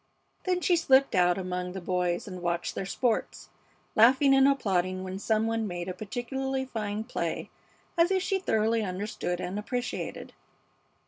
Then she slipped out among the boys and watched their sports, laughing and applauding when some one made a particularly fine play, as if she thoroughly understood and appreciated.